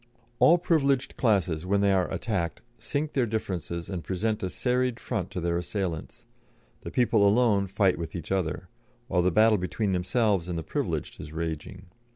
All privileged classes, when they are attacked, sink their differences and present a serried front to their assailants; the people alone fight with each other, while the battle between themselves and the privileged is raging.